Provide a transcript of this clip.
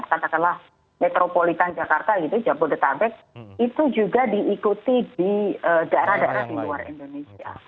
katakanlah metropolitan jakarta gitu jabodetabek itu juga diikuti di daerah daerah di luar indonesia